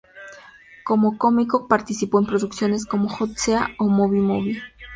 Como cómico participó en producciones como "Hot Sea" o "Movie Movie".